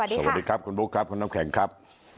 สวัสดีครับคุณบุ๊คครับคุณน้ำแข็งครับ